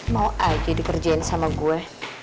mau aja dikerjain sama gue